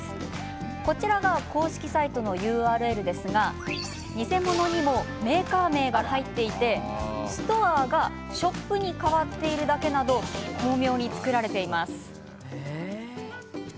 こちらが公式サイトのＵＲＬですが偽物にもメーカー名が入っていてｓｔｏｒｅがｓｈｏｐに変わっているだけなど巧妙に作られています。